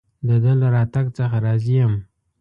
د ده له راتګ څخه راضي یم.